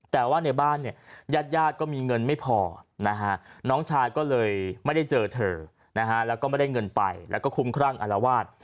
แต่ว่าในบ้านเนี่ยญาติญาติก็มีเงินไม่พอนะฮะน้องชายก็เลยไม่ได้เจอเธอนะฮะแล้วก็ไม่ได้เงินไปแล้วก็คุ้มครั่งอารวาส